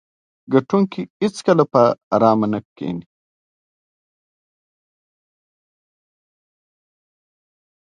ګټونکي هیڅکله په ارامه نه کیني.